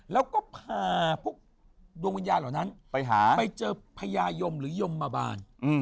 แล้วก็พาพวกดวงวิญญาณเหล่านั้นไปเจอพญายมหรือยมมาบาน